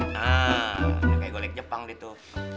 nah ini kayak golek jepang gitu